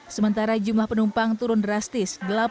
sementara jumlah penumpang turun drastis